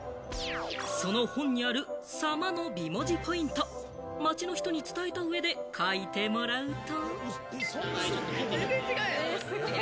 その本にある「様」の美文字ポイント、街の人に伝えた上で書いてもらうと。